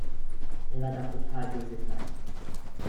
Ihr seid doch total durchgeknallt